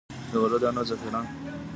د غلو دانو ذخیره.